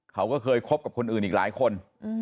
เขาก็เคยคบกับคนอื่นอีกหลายคน